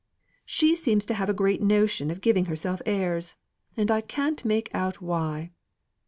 She seems to have a great notion of giving herself airs; and I can't make out why.